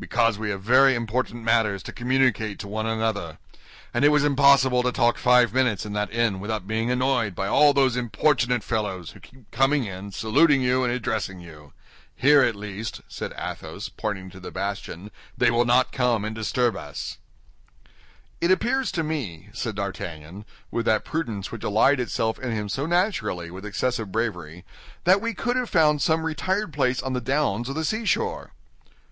"Because we have very important matters to communicate to one another, and it was impossible to talk five minutes in that inn without being annoyed by all those importunate fellows, who keep coming in, saluting you, and addressing you. Here at least," said Athos, pointing to the bastion, "they will not come and disturb us." "It appears to me," said D'Artagnan, with that prudence which allied itself in him so naturally with excessive bravery, "that we could have found some retired place on the downs or the seashore."